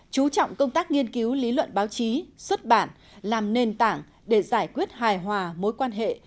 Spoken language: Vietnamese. chú trọng công tác nghiên cứu lý luận báo chí xuất bản làm nền tảng để giải quyết hài hòa mối quan hệ